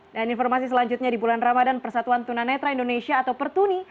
dan informasi selanjutnya di bulan ramadan persatuan tunanetra indonesia atau pertuni